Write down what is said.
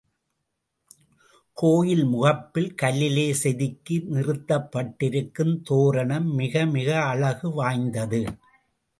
கோயில் முகப்பில் கல்லிலே செதுக்கி நிறுத்தப்பட்டருக்கும் தோரணம் மிக மிக அழகு வாய்ந்தது.